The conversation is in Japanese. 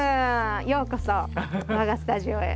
ようこそ我がスタジオへ。